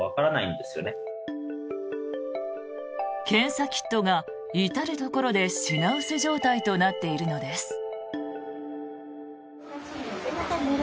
検査キットが至るところで品薄状態となっているのです。